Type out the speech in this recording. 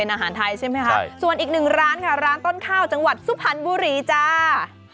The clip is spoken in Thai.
อาหารไทยใช่ไหมคะส่วนอีกหนึ่งร้านค่ะร้านต้นข้าวจังหวัดสุพรรณบุรีจ้า